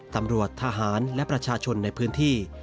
ตำรวจทหารและประชาชนในพื้นที่